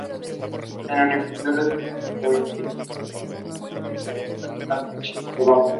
La Universidad de Iowa lo invitó a formar parte del Internacional Writing Program.